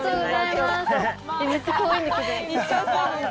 めっちゃかわいいんだけど。